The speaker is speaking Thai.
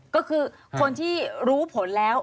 ก็คือคนที่รู้ผลแล้ว